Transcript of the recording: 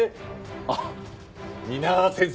あっ皆川先生。